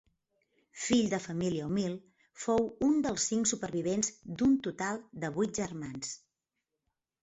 Fill de família humil, fou un dels cinc supervivents d'un total de vuit germans.